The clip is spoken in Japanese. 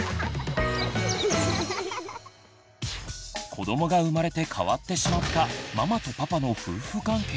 子どもが生まれて変わってしまったママとパパの夫婦関係。